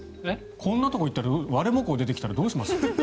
こんなところに行ってワレモコウ出てきたらどうします？